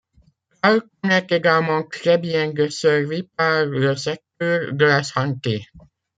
Carlton est également très bien desservi par le secteur de la santé.